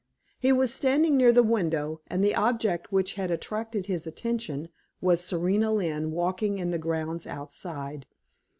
He was standing near the window, and the object which had attracted his attention was Serena Lynne walking in the grounds outside.